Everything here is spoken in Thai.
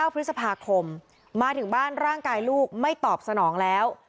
พฤษภาคมมาถึงบ้านร่างกายลูกไม่ตอบสนองแล้ว